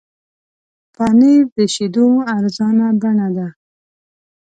پنېر د شیدو ارزانه بڼه ده.